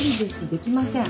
できません。